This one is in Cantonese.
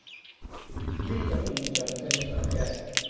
呢種現象正常嘅